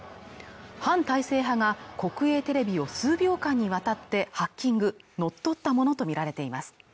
反体制派が国営テレビを数秒間にわたってハッキング＝乗っ取ったものと見られています